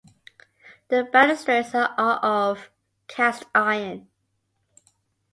The balustrades are of cast-iron.